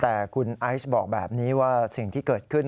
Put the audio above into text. แต่คุณไอซ์บอกแบบนี้ว่าสิ่งที่เกิดขึ้น